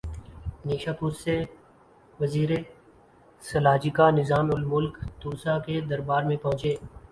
نیشا پور سے وزیر سلاجقہ نظام الملک طوسی کے دربار میں پہنچے